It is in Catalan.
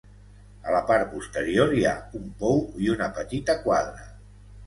A la part posterior hi ha un pou i una petita quadra.